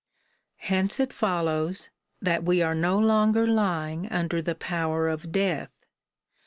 Hence it follows, that we are no longer lying under the power of death.